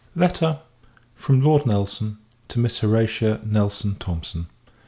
_) Letters OF LORD NELSON, &c. TO MISS HORATIA NELSON THOMSON.